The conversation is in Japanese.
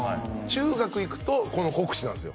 中学行くとこの國司なんですよ